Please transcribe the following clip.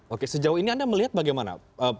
oke sejauh ini anda melihat bagaimana